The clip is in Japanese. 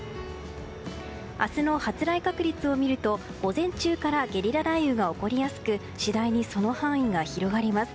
明日の発雷確率を見ると午前中からゲリラ雷雨が起こりやすく次第にその範囲が広がります。